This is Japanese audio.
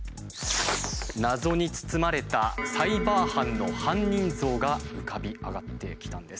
謎に包まれたサイバー犯の犯人像が浮かび上がってきたんです。